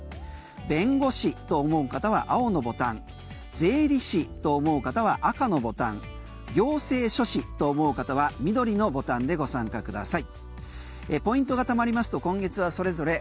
弁護士と思う方は青のボタン税理士と思う方は赤のボタン行政書士と思う方は緑のボタンでご参加ください。